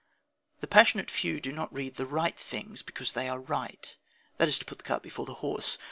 The passionate few do not read "the right things" because they are right. That is to put the cart before the horse.